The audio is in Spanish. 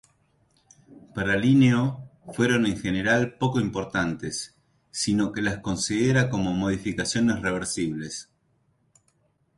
Para Linneo fueron en general poco importantes, sino que las considera como modificaciones reversibles.